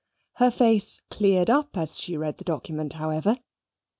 Her face cleared up as she read the document, however.